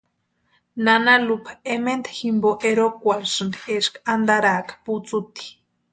Nana Lupa ementa jimpo erokwarhisïnti eska antaraaka putsuti.